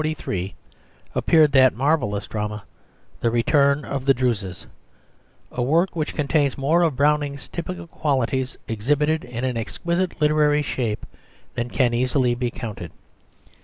In 1843 appeared that marvellous drama The Return of the Druses, a work which contains more of Browning's typical qualities exhibited in an exquisite literary shape, than can easily be counted.